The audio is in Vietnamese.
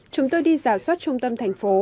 chúng tôi đi giả soát trung tâm thành phố